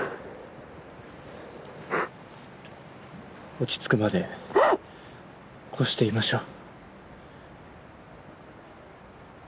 落ち着くまでこうしていましょう。